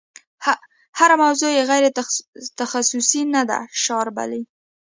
هره موضوع یې غیر تخصصي نه ده شاربلې.